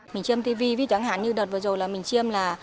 mình chiêm tv ví chẳng hạn như đợt vừa rồi là mình chiêm là